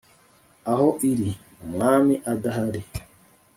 aho iri, umwami adahari,